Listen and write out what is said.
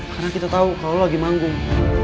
karena kita tau kalau lo lagi manggung